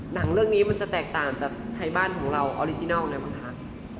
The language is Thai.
หนังเรื่องนี้มันจะแตกต่างจากไทยบ้านของเราออริจินัลเลยบ้างคะ